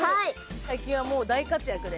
最近はもう大活躍で。